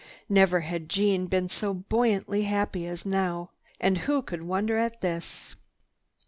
Never had Jeanne been so buoyantly happy as now. And who could wonder at this?